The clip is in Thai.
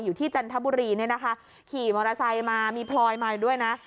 จันทบุรีเนี่ยนะคะขี่มอเตอร์ไซค์มามีพลอยมาด้วยนะ